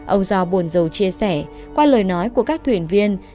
ông do buồn dầu chia sẻ qua lời nói của các thuyền viên